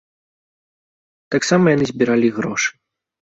Таксама яны збіралі і грошы.